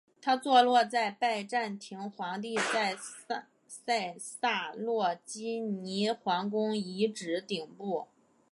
它坐落在拜占庭皇帝在塞萨洛尼基皇宫遗址顶部。